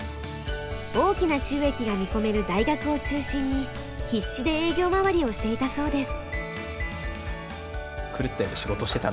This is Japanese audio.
大きな収益が見込める大学を中心に必死で営業回りをしていたそうです。